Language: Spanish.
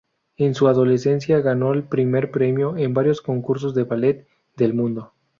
En su adolescencia ganó el primer premio en varios concursos de ballet del mundo.